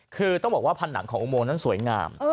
คือต้องบอกว่าผนังของอุโมงนั้นสวยงาม